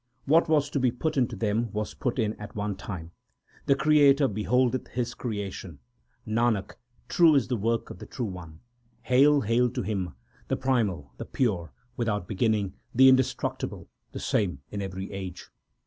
What was to be put into them was put in at one time. 2 The Creator beholdeth His creation. Nanak, true is the work of the True One. HAIL ! HAIL TO HIM, The primal, the pure, without beginning, the indestructible, the same in every age